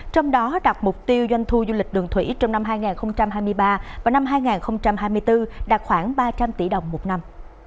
trong đó đặt mục tiêu doanh thu du lịch đường thủy trong năm hai nghìn hai mươi ba và năm hai nghìn hai mươi bốn đạt khoảng ba trăm linh tỷ đồng một năm